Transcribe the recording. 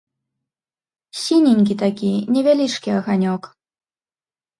Сіненькі такі, невялічкі аганёк.